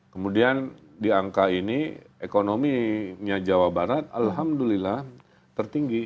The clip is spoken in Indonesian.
kemudian diangka ini ekonominya jawa barat alhamdulillah tertinggi